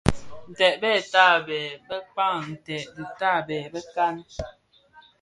Ntèd bè tabèè bëkpaň nted dhi tabèè bëkan.